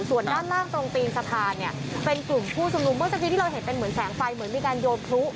ส่วนด้านล่างตรงตีนสะพานเนี่ยเป็นกลุ่มผู้ชุมนุมเมื่อสักทีที่เราเห็นเป็นเหมือนแสงไฟเหมือนมีการโยนพลุ